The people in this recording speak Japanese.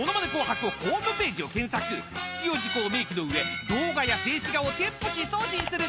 ［必要事項を明記の上動画や静止画を添付し送信するだけ］